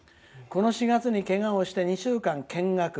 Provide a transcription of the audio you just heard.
この４月にけがをして２週間見学。